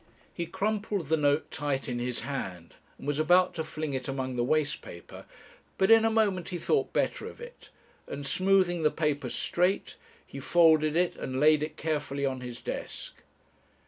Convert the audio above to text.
He crumpled the note tight in his hand, and was about to fling it among the waste paper, but in a moment he thought better of it, and smoothing the paper straight, he folded it, and laid it carefully on his desk.